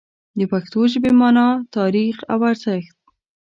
د پښتو ژبې مانا، تاریخ او ارزښت